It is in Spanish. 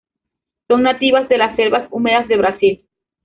Son nativas de las selvas húmedas de Brasil.